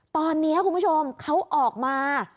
ตอนนี้คุณผู้ชมเขาออกมา